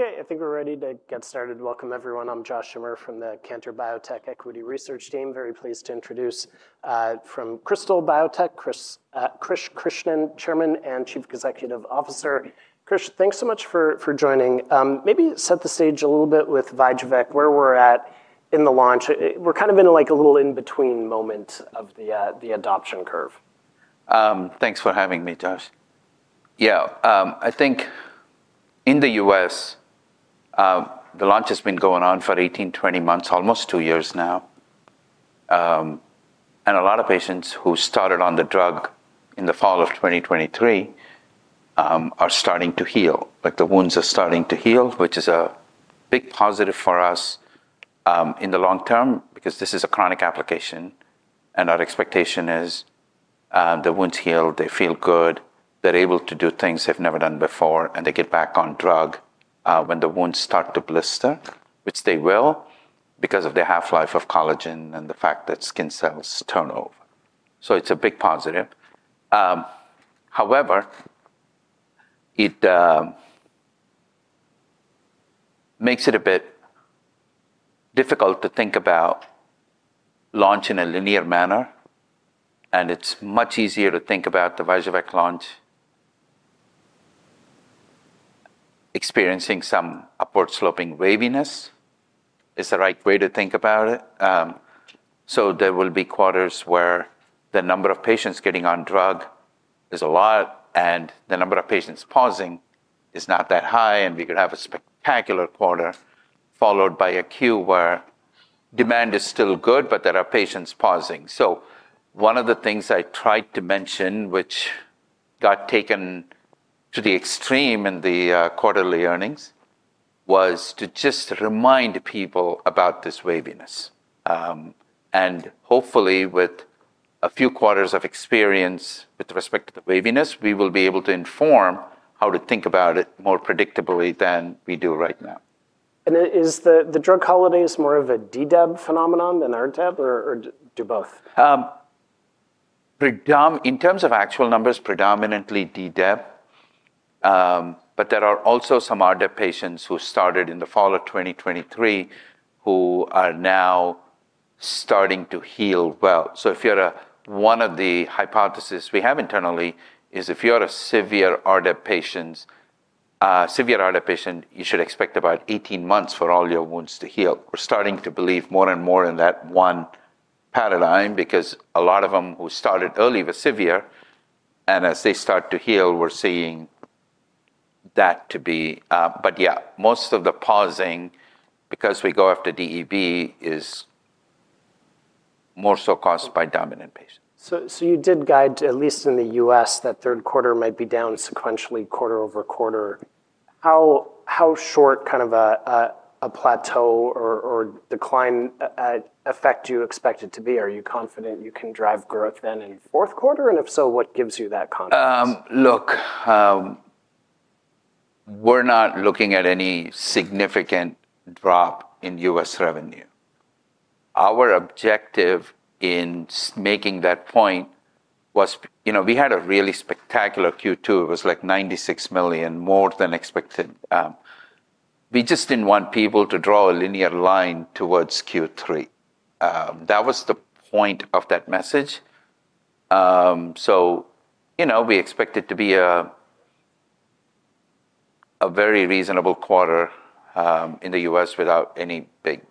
Okay, I think we're ready to get started. Welcome everyone. I'm Josh Schimmer from the Cantor Biotech Equity Research Team. Very pleased to introduce from Crystal Biotech, Krish Krishnan, Chairman and Chief Executive Officer. Krish, thanks so much for joining. Maybe set the stage a little bit with Vajjvek, where we're at in the launch. We're kind of in like a little in between moment of the adoption curve. Thanks for having me, Josh. Yeah. I think, in The U. S, the launch has been going on for eighteen, twenty months, almost two years now, and a lot of patients who started on the drug in the 2023, are starting to heal, like the wounds are starting to heal, which is a big positive for us, in the long term because this is a chronic application and our expectation is the wounds heal, they feel good, they're able to do things they've never done before, and they get back on drug when the wounds start to blister, which they will because of their half life of collagen and the fact that skin cells turn over. So, it's a big positive. However, it makes it a bit difficult to think about launch in a linear manner, and it's much easier to think about the Vizureka launch experiencing some upward sloping waviness is the right way to think about it. So, there will be quarters where the number of patients getting on drug is a lot, and the number of patients pausing is not that high, and we could have a spectacular quarter, followed by a queue where demand is still good, but there are patients pausing. So, one of the things I tried to mention, which got taken to the extreme in the quarterly earnings, was to just remind people about this waviness. And hopefully, with a few quarters of experience with respect to the waviness, we will be able to inform how to think about it more predictably than we do right now. And is the drug holidays more of a DDEV phenomenon than RDEB, or do both? In terms of actual numbers, predominantly DDEB, but there are also some RDEB patients who started in the 2023 who are now starting to heal well. So, if you're a one of the hypotheses we have internally is if you're a severe RDEB patient, you should expect about eighteen months for all your wounds to heal. We're starting to believe more and more in that one paradigm because a lot of them who started early were severe, and as they start to heal, we're seeing that to be but, yeah, most of the pausing, because we go after DEB, is more so caused by dominant patients. So you did guide, at least in The U. S, that third quarter might be down sequentially quarter over quarter. How short kind of a plateau or decline effect you expect it to be? Are you confident you can drive growth then in fourth quarter? And if so, what gives you that confidence? Look, we're not looking at any significant drop in U. S. Revenue. Our objective in making that point was we had a really spectacular Q2, it was like $96,000,000 more than expected. We just didn't want people to draw a linear line towards Q3. That was the point of that message. So, we expect it to be a very reasonable quarter in The U. S. Without any big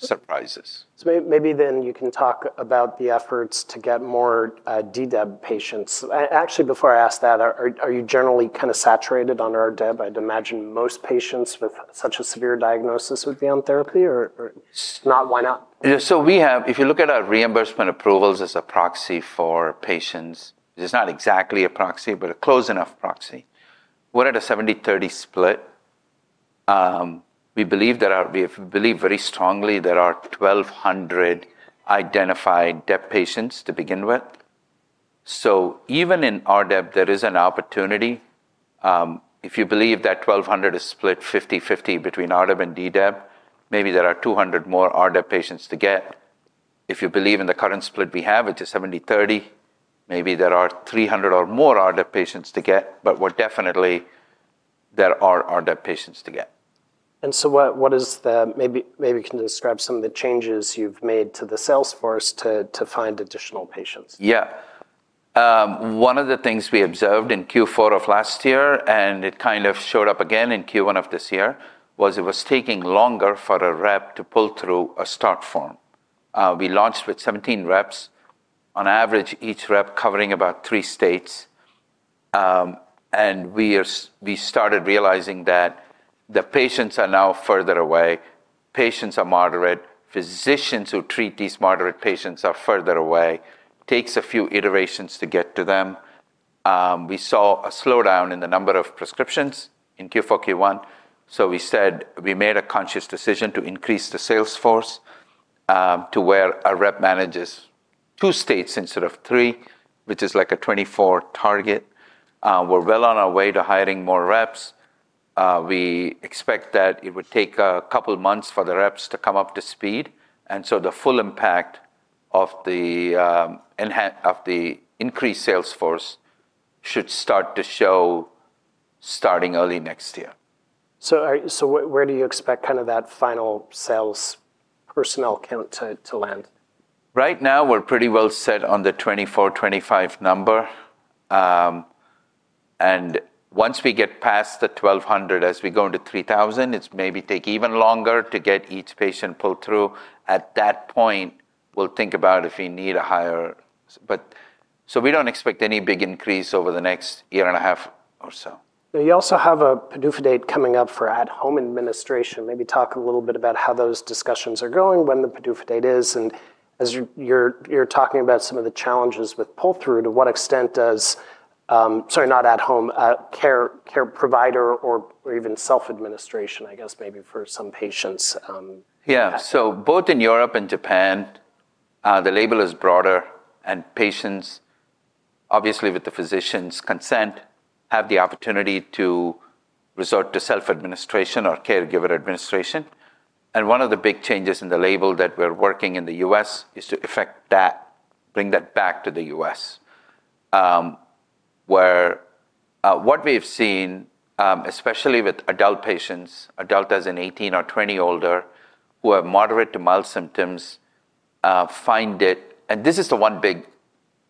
surprises. So maybe then you can talk about the efforts to get more DDEB patients. Actually, before I ask that, are you generally kind of saturated on RDEB? I'd imagine most patients with such a severe diagnosis would be on therapy, or if not, why not? Doctor. So we have, if you look at our reimbursement approvals as a proxy for patients, it is not exactly a proxy, but a close enough proxy. We're at a seventythirty split. We believe there are we believe very strongly there are 1,200 identified DEP patients to begin with. So even in RDEB, there is an opportunity. If you believe that 1,200 is split fifty-fifty between RDEB and DDEB, maybe there are 200 more RDEB patients to get. If you believe in the current split we have, which is seventy-thirty, maybe there are 300 or more RDEB patients to get, but we're definitely there are RDEB patients to get. And so, is the maybe you can describe some of the changes you've made to the sales force to find additional patients. Yeah. One of the things we observed in Q4 of last year, and it kind of showed up again in Q1 of this year, was it was taking longer for a rep to pull through a start form. We launched with 17 reps, on average, each rep covering about three states, and we started realizing that the patients are now further away, patients are moderate, physicians who treat these moderate patients are further away, takes a few iterations to get to them. We saw a slowdown in the number of prescriptions in Q4, Q1, so we said we made a conscious decision to increase the sales force, to where a rep manages two states instead of three, which is like a 24 target. We're well on our way to hiring more reps. We expect that it would take a couple of months for the reps to come up to speed, and so the full impact of the increased sales force should start to show starting early next year. So, where do you expect kind of that final sales personnel count to land? Right now, we're pretty well set on the 24, 25 number, and once we get past the 1,200, as we go into 3,000, it's maybe take even longer to get each patient pulled through. At that point, we'll think about if we need a higher but so we don't expect any big increase over the next year and a half or so. You also have a PDUFA date coming up for at home administration. Maybe talk a little bit about how those discussions are going, when the PDUFA date is, and as you're talking about some of the challenges with pull through, to what extent does sorry, not at home, care provider or even self administration, I guess, maybe for some patients? Yes. So, both in Europe and Japan, the label is broader, and patients, obviously with the physician's consent, have the opportunity to resort to self administration or caregiver administration, and one of the big changes in the label that we're working in The U. S. Is to effect that, bring that back to The U. S, where what we have seen, especially with adult patients, adult as an 18 or 20 older, who have moderate to mild symptoms, find it and this is the one big,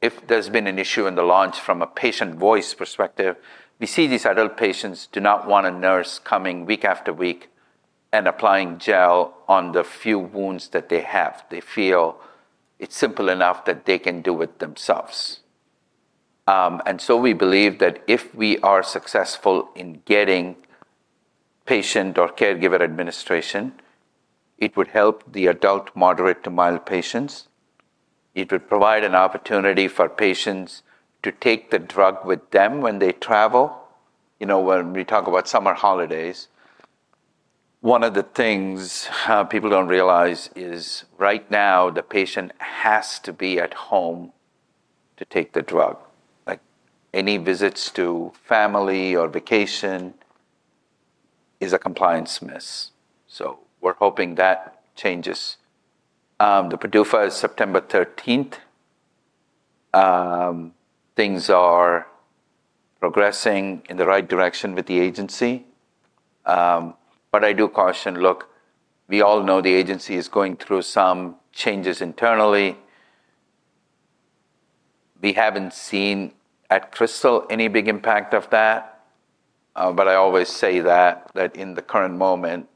if there's been an issue in the launch from a patient voice perspective, we see these adult patients do not want a nurse coming week after week and applying gel on the few wounds that they have. They feel it's simple enough that they can do it themselves. And so we believe that if we are successful in getting patient or caregiver administration, it would help the adult moderate to mild patients, it would provide an opportunity for patients to take the drug with them when they travel. You know, when we talk about summer holidays, one of the things people don't realize is, right now, the patient has to be at home to take the drug. Like, any visits to family or vacation is a compliance miss. So, we're hoping that changes. The PDUFA is September 13. Things are progressing in the right direction with the agency, but I do caution, look, we all know the agency is going through some changes internally. We haven't seen at Crystal any big impact of that, but I always say that, that in the current moment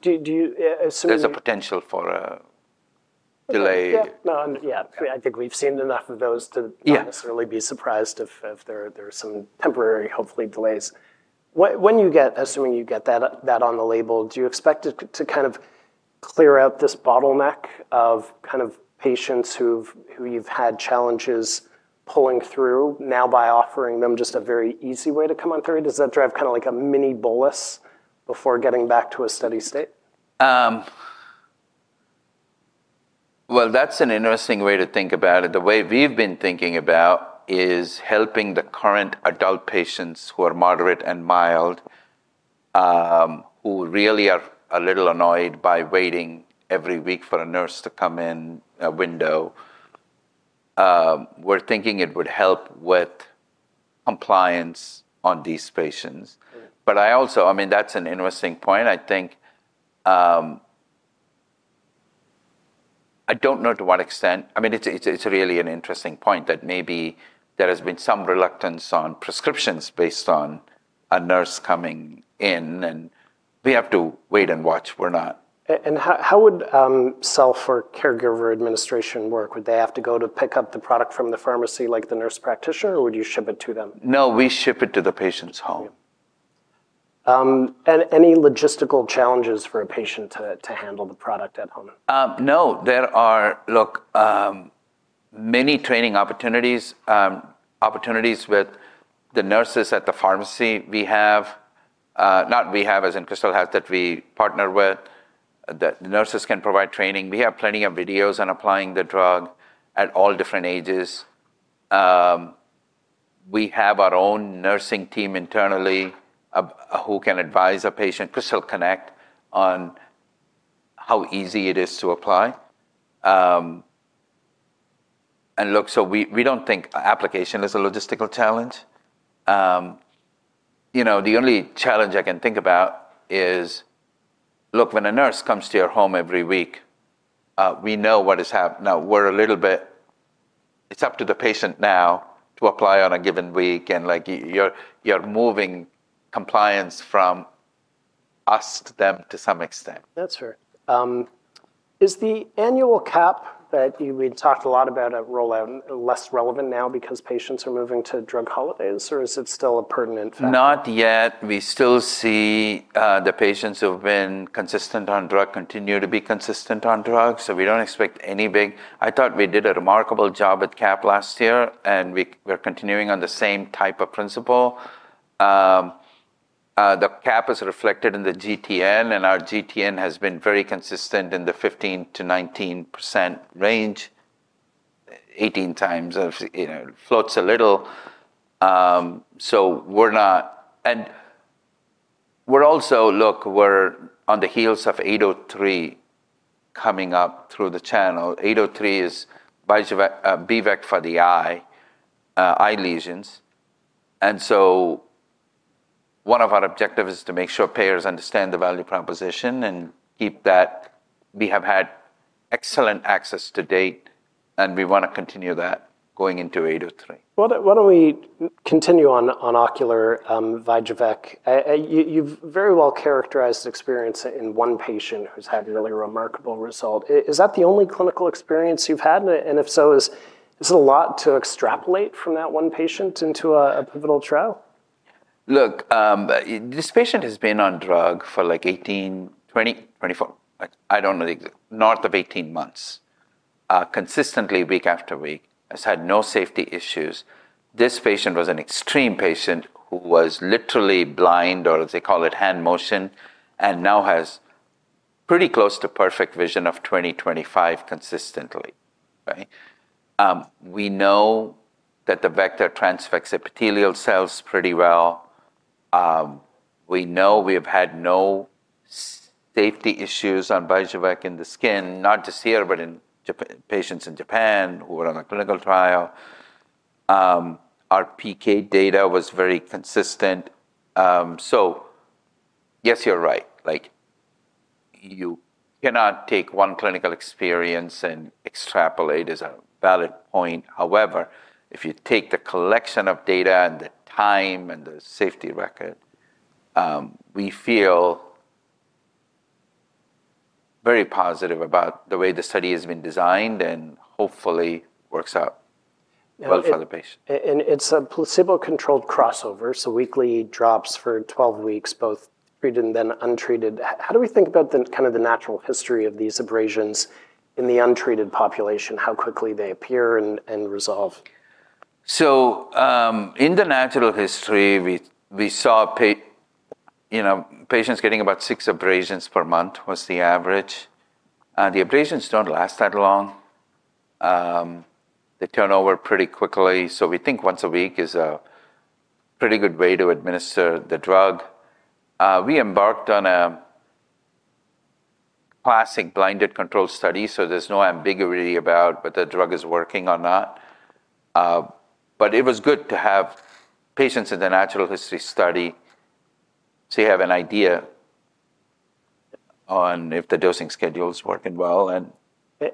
Do you assume There's a potential for delay. Yeah. I think we've seen enough of those to not necessarily be surprised if there are some temporary, hopefully, delays. When you get assuming you get that on the label, do you expect it to kind of clear out this bottleneck of kind of patients who you've had challenges pulling offering them just a very easy way to come on through? Does that drive kind of like a mini bolus before getting back to a steady state? Well, that's an interesting way to think about it. The way we've been thinking about is helping the current adult patients who are moderate and mild, who really are a little annoyed by waiting every week for a nurse to come in a window, we're thinking it would help with compliance on these patients. But I also I mean, that's an interesting point, I think. I don't know to what extent I mean, it's really an interesting point that maybe there has been some reluctance on prescriptions based on a nurse coming in, and we have to wait and watch, we're not. And how would self or caregiver administration work? Would they have to go to pick up the product from the pharmacy, like the nurse practitioner, or would you ship it to them? No, we ship it to the patient's home. Any logistical challenges for a patient to handle the product at home? Doctor. There are look, many training opportunities, opportunities with the nurses at the pharmacy. We have not we have, as in Crystal Health, we partner with, the nurses can provide training. We have plenty of videos on applying the drug at all different ages. We have our own nursing team internally who can advise a patient, CrystalConnect, on how easy it is to apply. And look, so we don't think application is a logistical challenge. The only challenge I can think about is, look, when a nurse comes to your home every week, we know what has happened. Now, we're a little bit it's up to the patient now to apply on a given week, and you're moving compliance from us to them to some extent. That's fair. Is the annual cap that we talked a lot about at rollout less relevant now because patients are moving to drug holidays, or is it still a pertinent factor? Not yet. We still see the patients who have been consistent on drug continue to be consistent on drug, so we don't expect any big I thought we did a remarkable job at CAP last year, and we're continuing on the same type of principle. The cap is reflected in the GTN, and our GTN has been very consistent in the 15% to 19% range, 18x of floats a little. So, we're not and we're also look, we're on the heels of 803 coming up through the channel. 803 is BVEC for the eye, eye lesions, and so, one of our objectives is to make sure payers understand the value proposition and keep that we have had excellent access to date, and we want to continue that going into 08/2003. Why don't we continue on ocular VIGEVAK? You've very well characterized the experience in one patient who's had really remarkable result. Is that the only clinical experience you've had? If so, is it a lot to extrapolate from that one patient into a pivotal trial? Look, this patient has been on drug for like eighteen, twenty, twenty four, I don't know, of eighteen months, consistently week after week, has had no safety issues. This patient was an extreme patient who was literally blind, or as they call it, hand motion, and now has pretty close to perfect vision of twentytwenty five consistently, right? We know that the vector transects epithelial cells pretty well. We know we have had no safety issues on Bijouac in the skin, not just here, but in patients in Japan who were on a clinical trial. Our PK data was very consistent. So, yes, you're right. Like, you cannot take one clinical experience and extrapolate as a valid point. However, if you take the collection of data and the time and the safety record, we feel very positive about the way the study has been designed and hopefully works out And well it's for the a placebo controlled crossover, so weekly drops for twelve weeks, both treated and then untreated, how do we think about the kind of the natural history of these abrasions in the untreated population, how quickly they appear and resolve? Doctor. So, in the natural history, saw, patients getting about six abrasions per month, was the average. The abrasions don't last that long. They turn over pretty quickly, so we think once a week is a pretty good way to administer the drug. We embarked on a classic blinded control study, so there's no ambiguity about whether the drug is working or not. But it was good to have patients in the natural history study, so you have an idea on if the dosing schedule is working well, and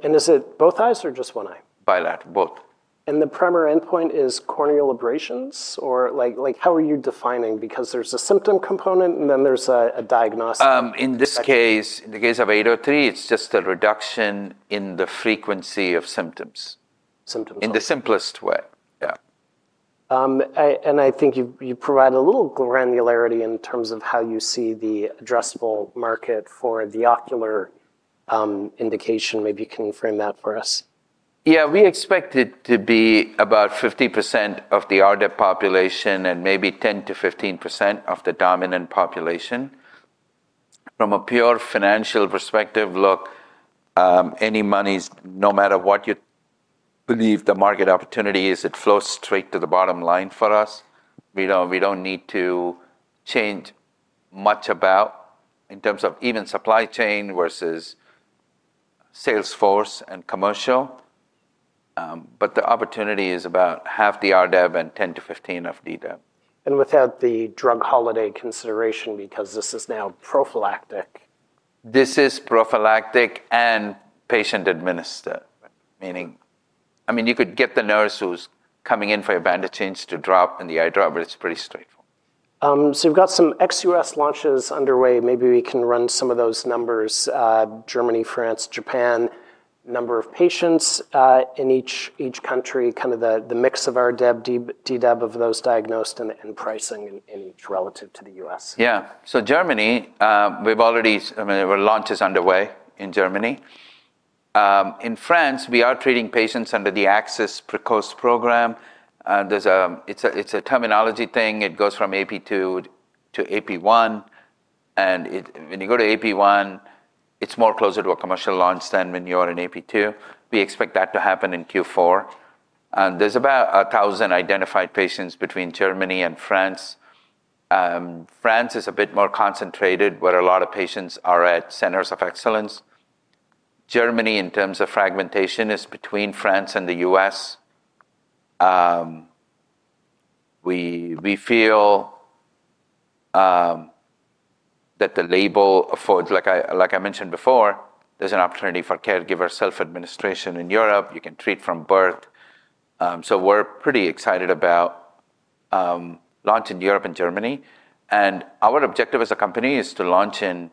And is it both eyes or just one eye? Bilateral, both. And the primary endpoint is corneal abrasions or, like, how are you defining, because there's a symptom component and then there's a diagnostic? In this case, in the case of eight zero three, it's just a reduction in the frequency of symptoms. Symptoms. In the simplest way, yeah. And I think you provided a little granularity in terms of how you see the addressable market for the ocular indication. Maybe you can frame that for us. Yes. We expect it to be about fifty percent of the RDIP population and maybe ten percent to fifteen percent of the dominant population. From a pure financial perspective, look, any money, no matter what you believe the market opportunity is, it flows straight to the bottom line for us. We don't need to change much about in terms of even supply chain versus sales force and commercial, but the opportunity is about half the RDEV and 10 to 15 of DDEV. And without the drug holiday consideration, because this is now prophylactic. This is prophylactic and patient administered, meaning I mean, you could get the nurse who's coming in for your bandage change to drop in the eye drop, but it's pretty straightforward. So, we've got some ex U. S. Launches underway. Maybe we can run some of those numbers, Germany, France, Japan, number of patients in each country, kind of the mix of our ddeb of those diagnosed and pricing in each relative to The U. S? Yes. So, Germany, we've already I mean, our launch is underway in Germany. In France, we are treating patients under the Axis Precost program. There's a it's terminology thing. It goes from AP2 to AP1, and when you go to AP1, it's more closer to a commercial launch than when you are in AP2. We expect that to happen in Q4. And there's about 1,000 identified patients between Germany and France. France is a bit more concentrated, where a lot of patients are at centers of excellence. Germany, in terms of fragmentation, is between France and The U. S. We feel that the label affords like I mentioned before, there's an opportunity for caregiver self administration in Europe, you can treat from birth, So, we're pretty excited about launch in Europe and Germany, and our objective as a company is to launch in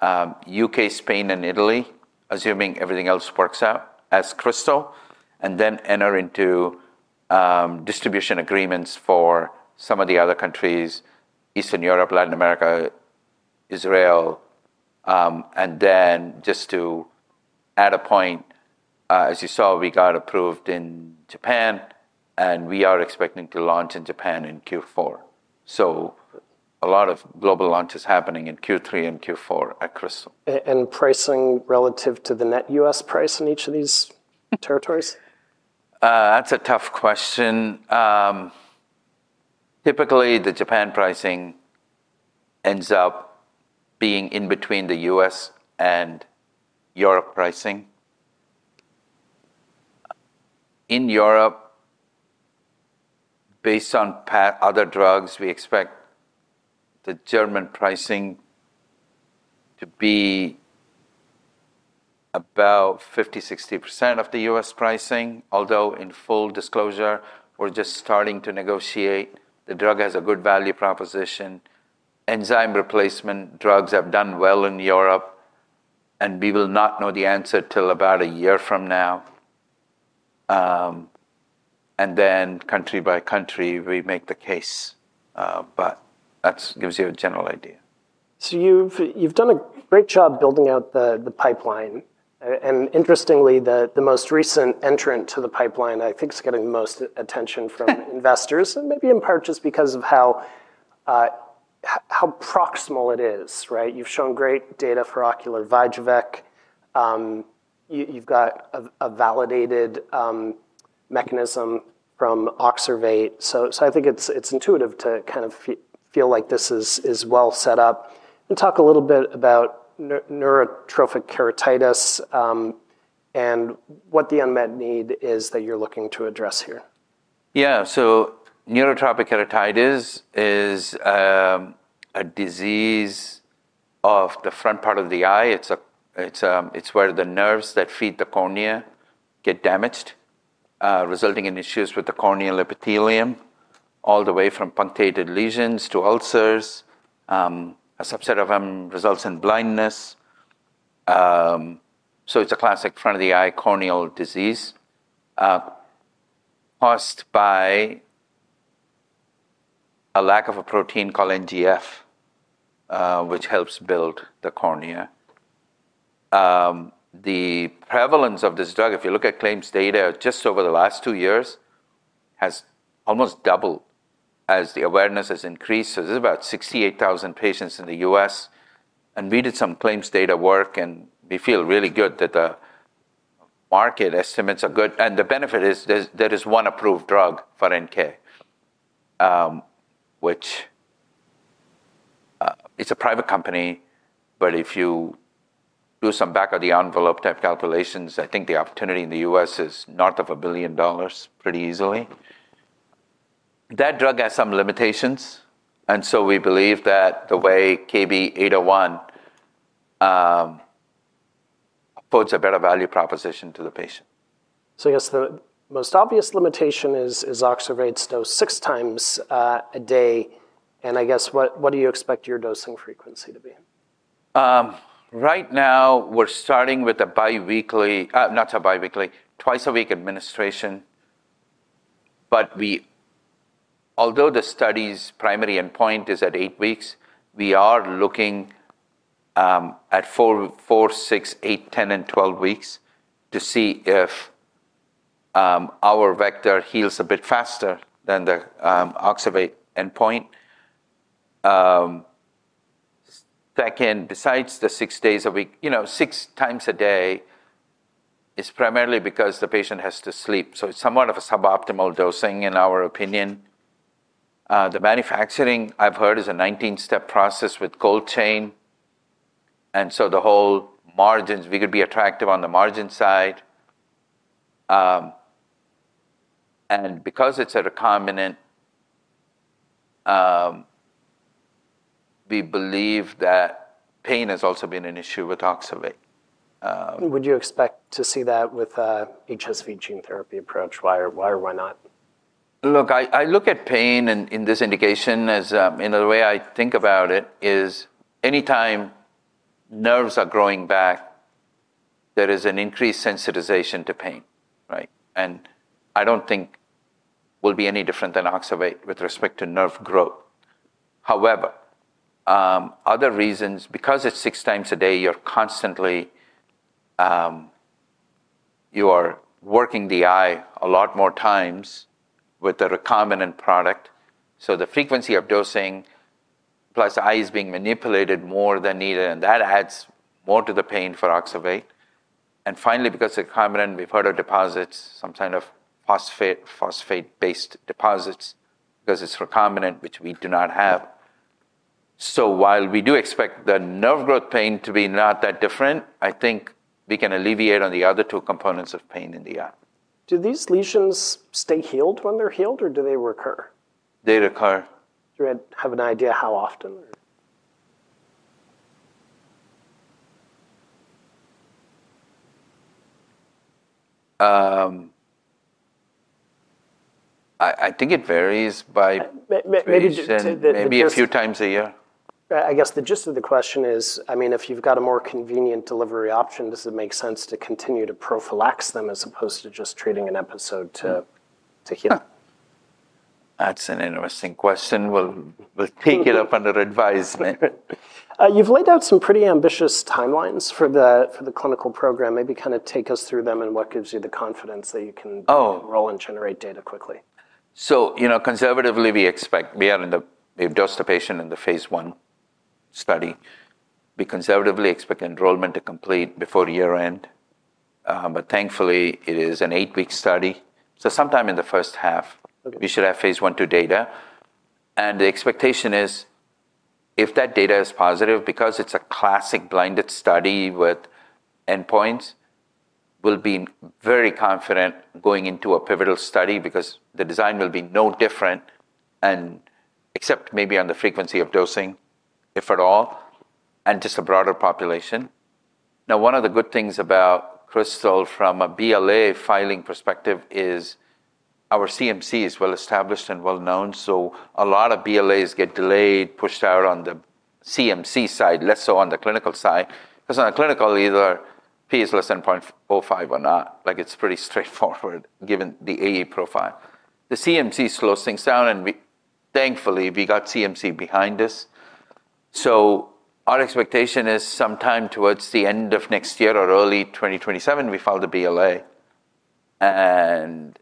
UK, Spain and Italy, assuming everything else works out as crystal, and then enter into distribution agreements for some of the other countries, Eastern Europe, Latin America, Israel, and then just to add a point, as you saw, we got approved in Japan, and we are expecting to launch in Japan in Q4. So, a lot of global launches happening in Q3 and Q4 at Crystal. And pricing relative to the net U. S. Price in each of these territories? That's a tough question. Typically, the Japan pricing ends up being in between The US and Europe pricing. In Europe, based on other drugs, we expect the German pricing to be about 50%, 60% of The U. S. Pricing, although in full disclosure, we're just starting to negotiate. The drug has a good value proposition. Enzyme replacement drugs have done well in Europe, and we will not know the answer till about a year from now, and then country by country, we make the case, But that gives you a general idea. So, you've done a great job building out the pipeline. And interestingly, the most recent entrant to the pipeline, think, is getting the most attention from investors, and maybe in part just because of how proximal it is, right? You've shown great data for ocular VIGEVEC. You've got a validated mechanism from Oxervate. So I think it's intuitive to kind of feel like this is well set up. And talk a little bit about neurotrophic keratitis and what the unmet need is that you're looking to address here. Yeah. So, neurotrophic keratitis is a disease of the front part of the eye, it's where the nerves that feed the cornea get damaged, resulting in issues with the corneal epithelium, all the way from punctated lesions to ulcers, a subset of them results in blindness, so it's a classic front of the eye corneal disease caused by a lack of a protein called NGF, which helps build the cornea. The prevalence of this drug, if you look at claims data, just over the last two years, has almost doubled as the awareness has increased. This is about sixty eight thousand patients in The U. S, and we did some claims data work and we feel really good that the market estimates are good, and the benefit is there is one approved drug for NK, which it's a private company, but if you do some back of the envelope type calculations, I think the opportunity in The U. S. Is north of $1,000,000,000 pretty easily. That drug has some limitations, and so we believe that the way KB-eight zero one puts a better value proposition to the patient. So, I guess, the most obvious limitation is oxalate dose six times a day, and I guess, what do you expect your dosing frequency to be? Doctor. Now, we're starting with a biweekly not so biweekly, twice a week administration, but we although the study's primary endpoint is at eight weeks, we are looking at four, six, eight, ten, and twelve weeks to see if our vector heals a bit faster than the oxybate endpoint. Second, besides the six days a week you know, six times a day is primarily because the patient has to sleep, so it's somewhat of a suboptimal dosing, in our opinion. The manufacturing, I've heard, is a 19 step process with Gold Chain, and so the whole margins we could be attractive on the margin side, and because it's a recombinant, we believe that pain has also been an issue with oxovate. Would you expect to see that with HSV gene therapy approach? Why or why not? Doctor. Look, I look at pain in this indication as, you know, the way I think about it is, any time nerves are growing back, there is an increased sensitization to pain, right? And I don't think we'll be any different than oxybate with respect to nerve growth. However, other reasons, because it's six times a day, you're constantly you are working the eye a lot more times with the recombinant product, so the frequency of dosing, plus the eye is being manipulated more than needed, and that adds more to the pain for oxybate. And finally, because it's recombinant, we've heard of deposits, some kind of phosphate based deposits, because it's recombinant, which we do not have. So, while we do expect the nerve growth pain to be not that different, I think we can alleviate on the other two components of pain in the eye. Do these lesions stay healed when they're healed, or do they recur? They recur. Do you have an idea how often? I think it varies by Maybe a few times a year. I guess the gist of the question is, I mean, if you've got a more convenient delivery option, does it make sense to continue to prophylax them as opposed to just treating an episode to heal? Doctor. That's an interesting question. We'll take it up under advisement. You've laid out some pretty ambitious timelines for the clinical program. Maybe kind of take us through them and what gives you the confidence that you can Oh. Enroll and generate data So, conservatively, we expect we are in the we've dosed the patient in the phase one study. We conservatively expect enrollment to complete before year end, but thankfully, it is an eight week study, so sometime in the first half, we should have Phase III data. And the expectation is, if that data is positive, because it's a classic blinded study with endpoints, we'll be very confident going into a pivotal study because the design will be no different and except maybe on the frequency of dosing, if at all, and just a broader population. Now, one of the good things about Crystal from a BLA filing perspective is our CMC is well established and well known, so a lot of BLAs get delayed, pushed out on the CMC side, less so on the clinical side, because on clinical, either P is less than 0.05 or not, like it's pretty straightforward given the AE profile. The CMC slows things down, and we thankfully, we got CMC behind us. So, our expectation is sometime towards the end of next year or early twenty twenty seven, we file the BLA, and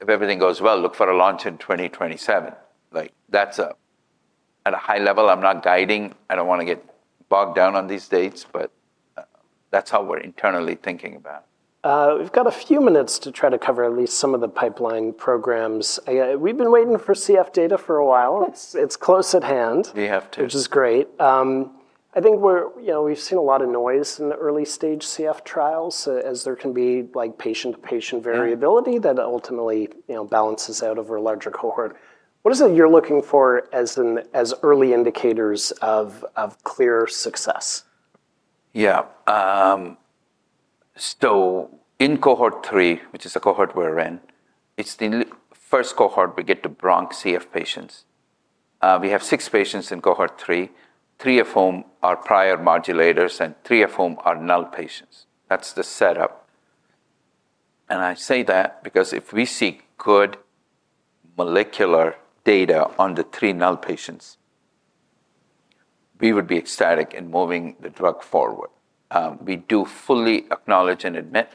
if everything goes well, look for a launch in 2027. Like, that's at a high level, I'm not guiding. I don't want to get bogged down on these dates, but that's how we're internally thinking about. We've got a few minutes to try to cover at least some of the pipeline programs. We've been waiting for CF data for a while. It's close at hand, I which is think we're we've seen a lot of noise in the early stage CF trials, as there can be like patient to patient variability that ultimately balances out over a larger cohort. What is it you're looking for as early indicators of clear success? Yeah. So, in cohort three, which is the cohort we're in, it's the first cohort we get to bronch CF patients. We have six patients in cohort three, three of whom are prior modulators and three of whom are null patients. That's the setup. And I say that because if we seek good molecular data on the three null patients, we would be ecstatic in moving the drug forward. We do fully acknowledge and admit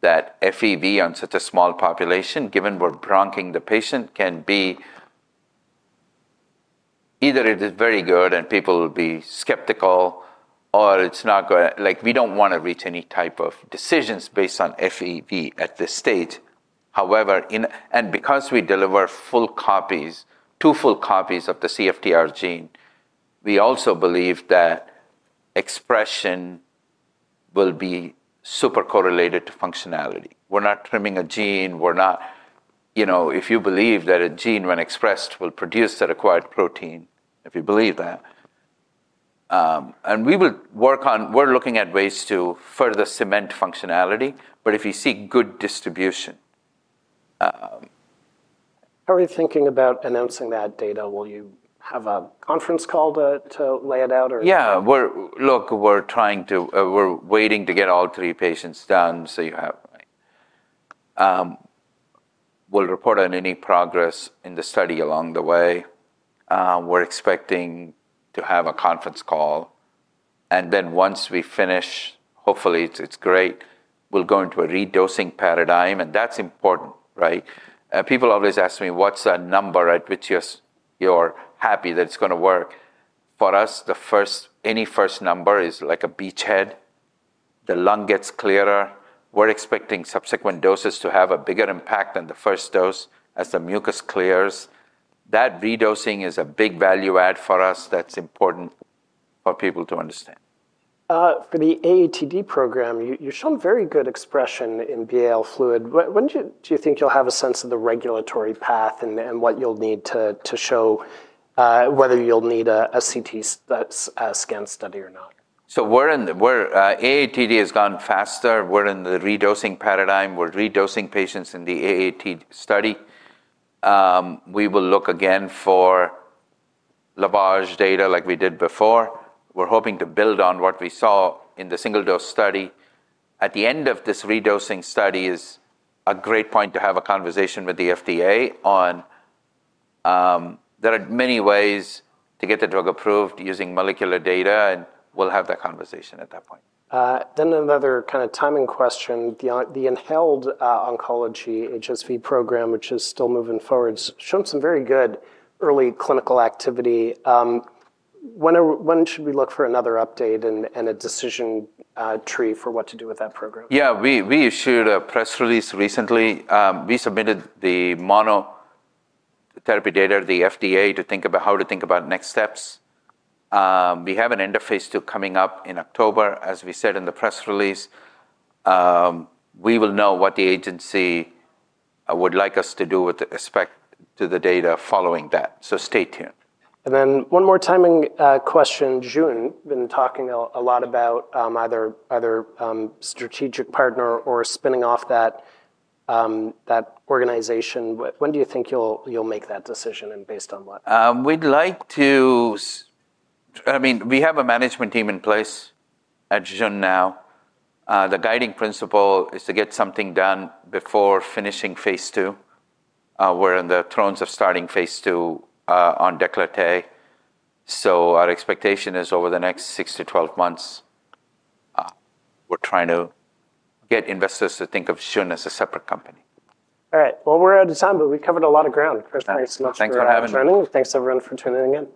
that FEV on such a small population, given we're bronching the patient, can be either it is very good and people will be skeptical, or it's not going like, we don't want to reach any type of decisions based on FEV at this stage. However, in and because we deliver full copies, two full copies of the CFTR gene, we also believe that expression will be super correlated to functionality. We're not trimming a gene, we're not if you believe that a gene, when expressed, will produce the required protein, if you believe that. And we will work on we're looking at ways to further cement functionality, but if you see good distribution. How are you thinking about announcing that data? Will you have a conference call to lay it out or Yes. Look, we're trying to we're waiting to get all three patients done, so you have we'll report on any progress in the study along the way. We're expecting to have a conference call, and then once we finish, hopefully, it's great, we'll go into a redosing paradigm, and that's important, right? People always ask me, what's the number at which you're happy that it's going to work? For us, the first any first number is like a beachhead. The lung gets clearer. We're expecting subsequent doses to have a bigger impact than the first dose as the mucus clears. That redosing is a big value add for us that's important for people to understand. For the AATD program, you've shown very good expression in BAL fluid. When do you think you'll have a sense of the regulatory path and what you'll need to show whether you'll need a CT scan study or not? So, we're in the AATD has gone faster. We're in the redosing paradigm. We're redosing patients in the AAT study. We will look again for LABAGE data like we did before. We're hoping to build on what we saw in the single dose study. At the end of this redosing study is a great point to have a conversation with the FDA on there are many ways to get the drug approved using molecular data, and we'll have that conversation at that point. Then another kind of timing The inhaled oncology HSV program, which is still moving forward, has shown some very good early clinical activity. When should we look for another update and a decision tree for what to do with that program? Yes. We issued a press release recently. We submitted the monotherapy data to the FDA to think about how to think about next steps. We have an end of Phase II coming up in October. As we said in the press release, we will know what the agency would like us to do with respect to the data following that. So stay tuned. And then one more timing question. Jun, been talking a lot about either strategic partner or spinning off that organization. When do you think you'll make that decision and based on what? We'd like to I mean, we have a management team in place at Zhijun now. The guiding principle is to get something done before finishing Phase II. We're in the thrones of starting Phase II on Declarte. So our expectation is over the next six to twelve months, we're trying to get investors to think of Shun as a separate company. All right. Well, we're out of time, but we covered a lot of ground. First, Thanks thanks so much everyone for tuning in.